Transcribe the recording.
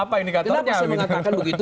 apa yang dikatakan pak jokowi